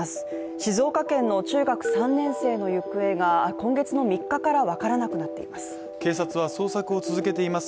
静岡県の中学３年生の行方が、今月の３日から分からなくなっています。